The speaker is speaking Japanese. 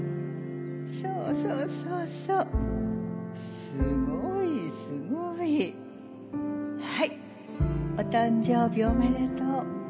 そうそうそうそうすごいすごいはいお誕生日おめでとう